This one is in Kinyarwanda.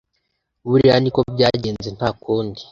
buriya niko byagenze ntakundi